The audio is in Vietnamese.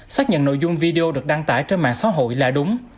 xác nhận nội dung video được đăng tải trên mạng xã hội là đúng